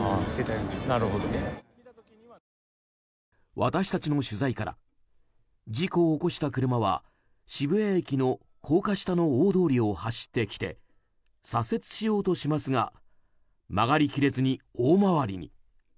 私たちの取材から事故を起こした車は渋谷駅の高架下の大通りを走ってきて左折しようとしますが曲がり切れずに大回りに。